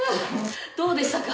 どうでしたか？